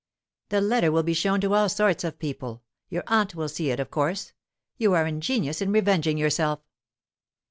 "The letter will be shown to all sorts of people. Your aunt will see it, of course. You are ingenious in revenging yourself."